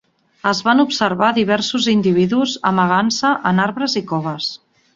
Es van observar diversos individus amagant-se en arbres i coves.